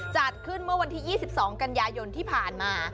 จัดขึ้นเมื่อวันที่๒๒กันยายนที่ผ่านมา